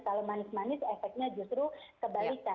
kalau manis manis efeknya justru kebalikan